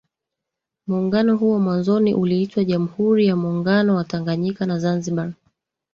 Muungano huo mwanzoni uliitwa Jamhuri ya Muungano wa Tanganyika na Zanzibar